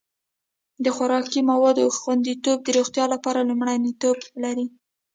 د خوراکي موادو خوندیتوب د روغتیا لپاره لومړیتوب لري.